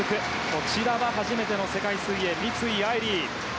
こちらは初めての世界水泳三井愛梨。